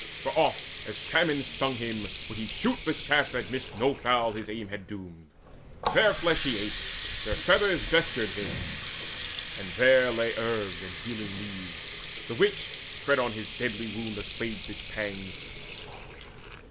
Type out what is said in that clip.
For, oft as famine stung him, would he shoot The shaft that missed no fowl his aim had doomed. Their flesh he ate, their feathers vestured him. And there lay herbs and healing leaves, the which, Spread on his deadly wound, assuaged its pangs.